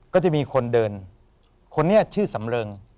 ก็จะมีคนเดินคนนี้ชื่อสำเริง